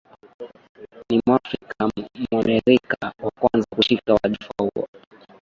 Ni mwafrikam mwamerika wa kwanza kushika wadhifa huo